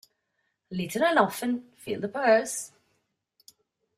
Little and often fill the purse.